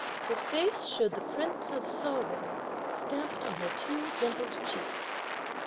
Her face showed the prints of sorrow stamped on her two dimpled cheeks.